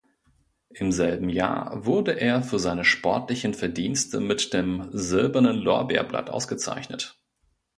Im selben Jahr wurde er für seine sportlichen Verdienste mit dem Silbernen Lorbeerblatt ausgezeichnet.